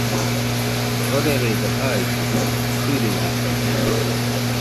Jororedo jaidɨkue sɨrɨrikailla.